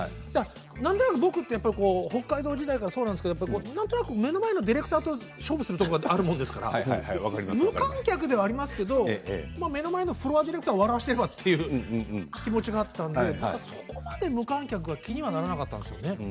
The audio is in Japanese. なんとなく僕は北海道時代からそうですが目の前のディレクターと勝負をするところがあるものですから無観客ではありますけれど目の前のフロアディレクターを笑わせるという気持ちがあったのでそこまで無観客は気にはならなかったんですけどね。